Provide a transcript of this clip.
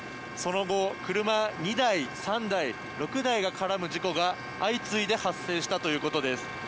その後、車２台、３台、６台が絡む事故が相次いで発生したということです。